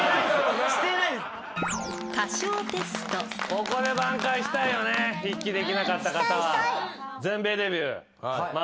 ここで挽回したいよね筆記できなかった方は。